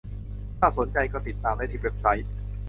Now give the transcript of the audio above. ถ้าสนใจก็ติดตามได้ที่เว็บไซต์